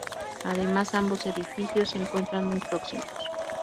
Además, ambos edificios se encuentran muy próximos.